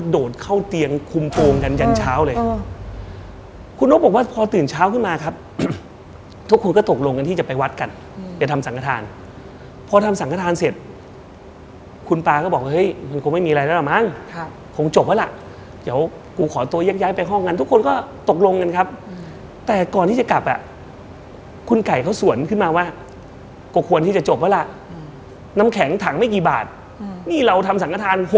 ด่าที่คุณป่าก็พยายามหาเรื่องอื่นมาพูดกัน